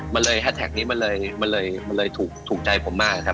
มันเลยแฮทแท็กนี้มันเลยถูกใจผมมากครับ